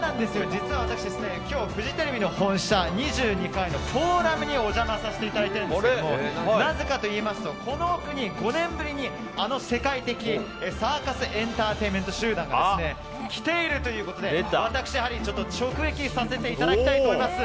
実は、私今日はフジテレビ本社２２階のフォーラムにお邪魔させていただいているんですがなぜかといいますとこの奥に５年ぶりにあの世界的サーカス・エンターテインメント集団が来ているということで私、ハリー直撃させていただきたいと思います。